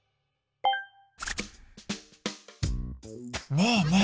ねえねえ